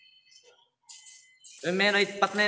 運命の１発目。